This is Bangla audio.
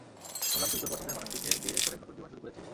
শুনলাম তুই তোর পছন্দের মানুষটিকে বিয়ে করে নতুন জীবন শুরু করেছিস।